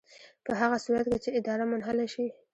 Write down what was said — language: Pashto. په هغه صورت کې چې اداره منحله شي.